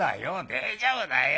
「大丈夫だよ。